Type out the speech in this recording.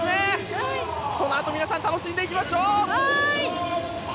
このあと皆さん楽しんでいきましょう！